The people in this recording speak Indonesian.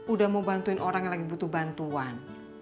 udah mau bantuin orang yang lagi butuh bantuan